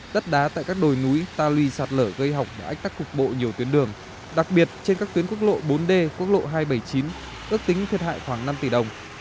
đất đá tại các đồi núi ta lùi sạt lở gây hỏng đã ách tắc cục bộ nhiều tuyến đường đặc biệt trên các tuyến quốc lộ bốn d quốc lộ hai trăm bảy mươi chín ước tính thiệt hại khoảng năm tỷ đồng